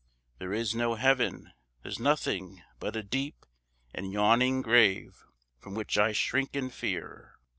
"There is no heaven! There's nothing but a deep And yawning grave from which I shrink in fear.